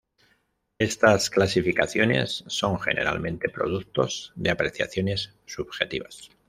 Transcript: Estas clasificaciones son generalmente productos de apreciaciones subjetivas.